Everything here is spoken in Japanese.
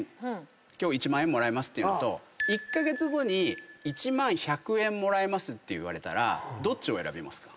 今日１万円もらえますっていうのと１カ月後に１万１００円もらえますって言われたらどっちを選びますか？